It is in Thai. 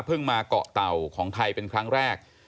มาเกาะเต่าของไทยเป็นครั้งแรก